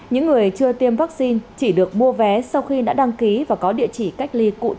những người chưa tiêm vaccine chỉ được mua vé sau khi đã đăng ký và có địa chỉ cách ly cụ thể ở trong nước